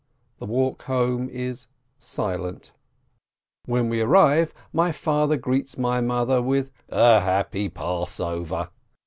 The walk home is silent. When we arrive, my father greets my mother with "a happy Passover